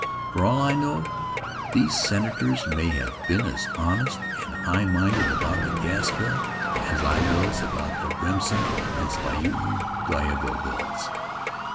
For all I know, these senators may have been as honest and high minded about the gas bill as I was about the Remsen and Spuyten Duyvil bills.